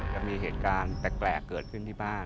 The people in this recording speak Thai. จะมีเหตุการณ์แปลกเกิดขึ้นที่บ้าน